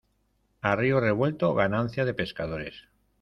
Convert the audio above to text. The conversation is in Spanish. A río revuelto, ganancia de pescadores.